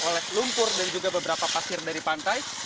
oleh lumpur dan juga beberapa pasir dari pantai